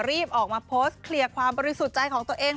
รีบออกมาโพสต์เคลียร์ความบริสุทธิ์ใจของตัวเอง